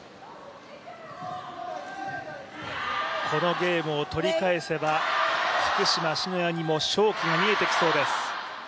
このゲームを取り返せば、福島・篠谷にも勝機が見えてきそうです。